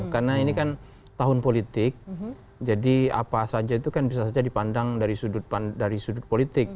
karena ini kan tahun politik jadi apa saja itu kan bisa saja dipandang dari sudut politik